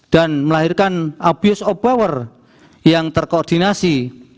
dan melahirkan abuse of power yang terkoordinasi